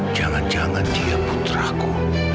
jangan dia putraku